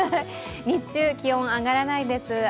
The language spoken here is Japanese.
日中、気温は上がらないです。